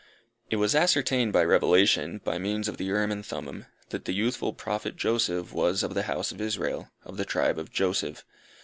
It was ascertained by revelation, by means of the Urim and Thummim, that the youthful Prophet Joseph was of the house of Israel, of the tribe of Joseph.